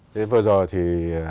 thế vừa rồi thì